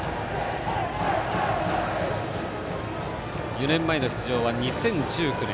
４年前の出場は２０１９年。